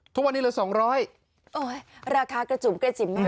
ทุกวันนี้ละ๒๐๐ปัจจุบันราคากระจุมกระจิ้มมากเลย